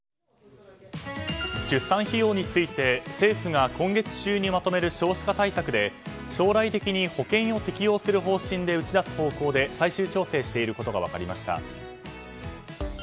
出産費用について政府が今月中にまとめる少子化対策で将来的に保険を適用する方針で打ち出す方向で最終調整していることが分かりました。